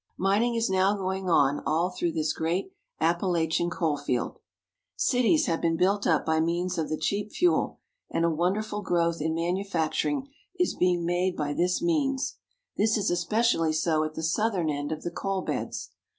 Mining is now going on all through this great Appa lachian coal field. Cities have been built up by means 2l8 PITTSBURG. of the cheap fuel, and a wonderful growth in manu facturing is being made by this means. This is especially so at the southern end of the coal beds.